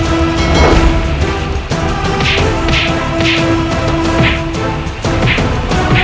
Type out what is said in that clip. rai surawi sesar